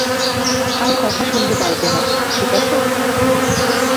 আর কথা শুনতে পারব না, ঠিক আছে?